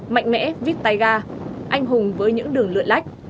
mạnh mẽ vít tay ga anh hùng với những đường lượn lách